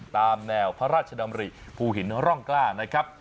ตามแนวพระราชดำริภูหินร่องกล้านะครับ